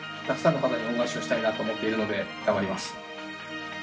たくさんの方に恩返しをしたいなと思っているので、頑張ります。